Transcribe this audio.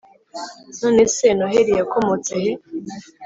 None se Noheli yakomotse he